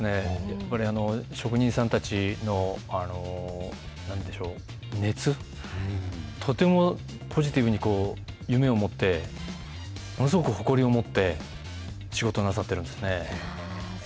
やっぱり職人さんたちのなんていうんでしょう、熱、とてもポジティブに夢を持って、ものすごく誇りを持って、仕事をなさってるんですね。